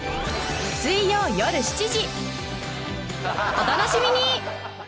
お楽しみに！